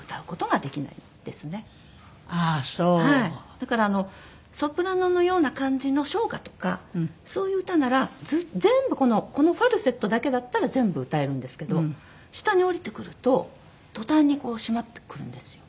だからソプラノのような感じの唱歌とかそういう歌なら全部このこのファルセットだけだったら全部歌えるんですけど下に下りてくると途端にこう閉まってくるんですよ。